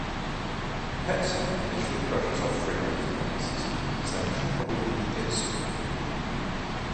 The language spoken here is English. Patzig initially brushes off Frelaine's advances, saying she'll probably be dead soon.